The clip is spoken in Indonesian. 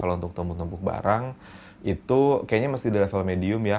kalau untuk tumpuk tumpuk barang itu kayaknya mesti di level medium ya